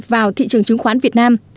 vào thị trường chứng khoán việt nam